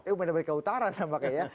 eh medan merdeka utara namanya ya